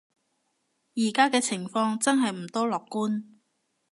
而家嘅情況真係唔多樂觀